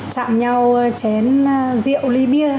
chạm nhau chén rượu ly bia